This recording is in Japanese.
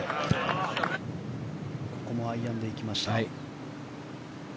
ここもアイアンで行きました。